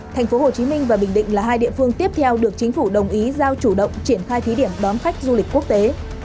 tp hcm và bình định là hai địa phương tiếp theo được chính phủ đồng ý giao chủ động triển khai thí điểm đón khách du lịch quốc tế